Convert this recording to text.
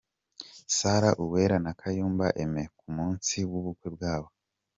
Sarah Uwera na Kayumba Aime ku munsi w'ubukwe bwabo.